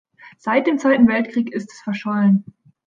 Seit dem Zweiten Weltkrieg ist es verschollen.